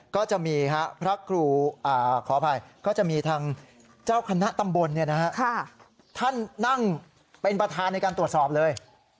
ก็จะมีพระครูขออภัยก็จะมีทางเจ้าคณะตำบลท่านนั่งเป็นประธานในการตรวจสอบเลย